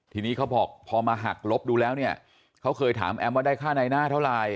ทีนี้เขาบอกพอมาหักลบดูแล้วเนี่ยเขาเคยถามแอมว่าได้ค่าในหน้าเท่าไหร่